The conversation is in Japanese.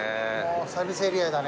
サービスエリアだね。